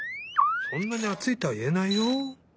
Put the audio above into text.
そんなにあついとはいえないよ。